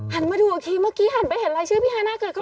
หันมาดูเมื่อกี้หันไปเห็นรายชื่อพี่ฮานะเกิดก็